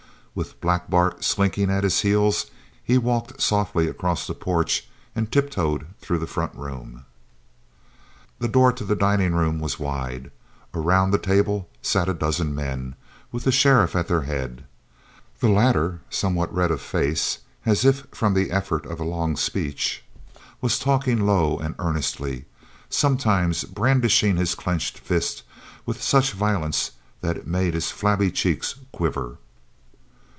With Black Bart slinking at his heels he walked softly across the porch and tiptoed through the front room. The door to the dining room was wide. Around the table sat a dozen men, with the sheriff at their head. The latter, somewhat red of face, as if from the effort of a long speech, was talking low and earnestly, sometimes brandishing his clenched fist with such violence that it made his flabby cheeks quiver.